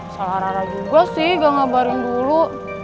salah ra juga sih gak ngabarin dulu